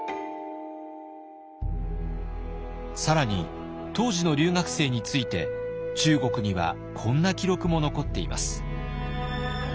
更に当時の留学生について中国にはこんな記録も残っています。